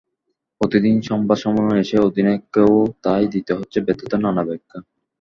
প্রতিদিন সংবাদ সম্মেলনে এসে অধিনায়ককেও তাই দিতে হচ্ছে ব্যর্থতার নানা ব্যাখ্যা।